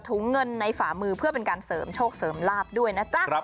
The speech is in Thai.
วันนี่ก็พาแม่มาคู่ตกมาดูตัวเลข